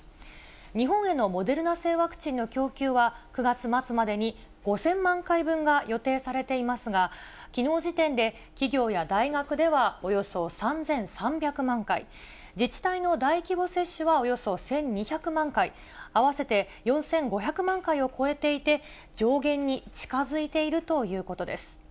日本へのモデルナ製ワクチンの供給は、９月末までに５０００万回分が予定されていますが、きのう時点で企業や大学ではおよそ３３００万回、自治体の大規模接種はおよそ１２００万回、合わせて４５００万回を超えていて、上限に近づいているということです。